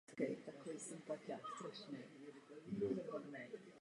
Během druhé světové války studoval malířství a restaurování historické malby.